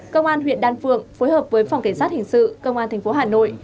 cơ quan huyện đan phượng phối hợp với phòng cảnh sát hình sự cơ quan tp hà nội